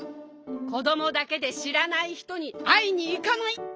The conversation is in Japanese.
こどもだけでしらないひとにあいにいかない！